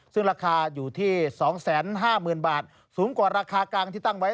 ซึ่งราคาอยู่ที่๒๕๐๐๐บาทสูงกว่าราคากลางที่ตั้งไว้